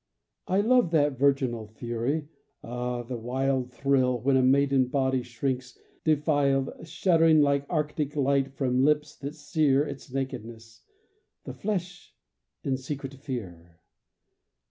_ I love that virginal fury ah, the wild Thrill when a maiden body shrinks, defiled, Shuddering like arctic light, from lips that sear Its nakedness ... the flesh in secret fear!